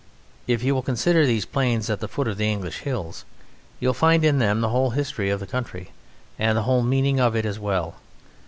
If you will consider these plains at the foot of the English hills you will find in them the whole history of the country, and the whole meaning of it as well.